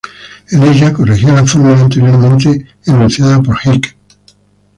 En ella, corregía la fórmula anteriormente enunciada por Hick.